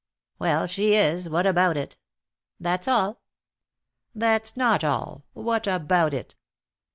"Well, she is. What about it?" "That's all." "That's not all. What about it?"